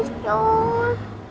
soalnya motornya keren